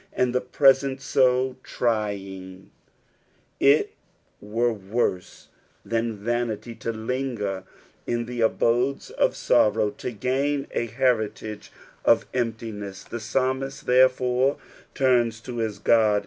and Ihe present so trringf It were wane than vanity to lingpr in the abodes of snirow to gain a heritage of eBiptiness. Tlie psalmist, ll)erGfore, tarns to his Uod.